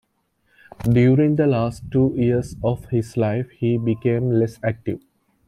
During the last two years of his life, he became less active.